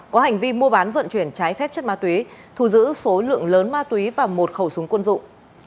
có hành vi mua bán vận chuyển trái phép chất ma túy thu giữ số lượng lớn ma túy và một khẩu súng quân dụng